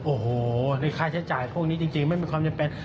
โอ้โหในค่าใช้จ่ายพวกนี้จริงไม่มีความจำเป็น